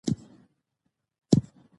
څه به کوم.شکيبا کريم ته ډاډ ورکو .